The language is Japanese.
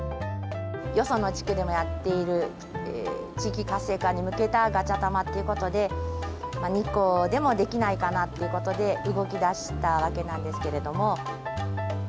よその地区でもやっている地域活性化に向けたガチャタマということで、日光でもできないかなということで動きだしたわけなんですけれども。